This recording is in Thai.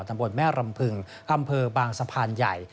ตำบลแม่รำพึงอำเภอบางสะพานใหญ่